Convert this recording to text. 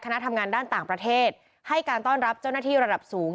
คณะทำงานด้านต่างประเทศให้การต้อนรับเจ้าหน้าที่ระดับสูง